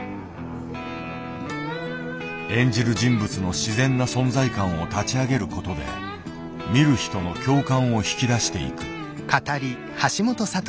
演じる人物の自然な存在感を立ち上げることで見る人の共感を引き出していく。